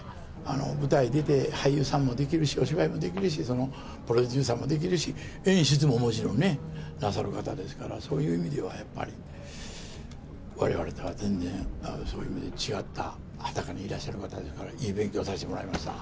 舞台出て、俳優さんもできるし、お芝居もできるし、プロデューサーもできるし、演出ももちろんね、なさる方ですから、そういう意味ではやっぱり、われわれとは全然、そういう意味で違った畑にいらっしゃる方ですから、いい勉強させてもらいました。